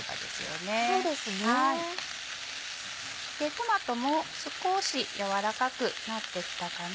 トマトも少し軟らかくなってきたかな。